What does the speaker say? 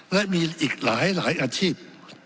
และมีอีกหลายอาชีพ